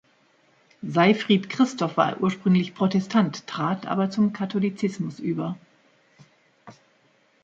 Seyfried Christoph war ursprünglich Protestant, trat aber zum Katholizismus über.